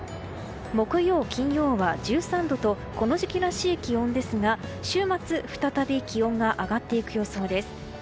木曜、金曜は１３度とこの時期らしい気温ですが週末、再び気温が上がっていく予想です。